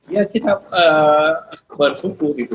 ya kita bersumpu gitu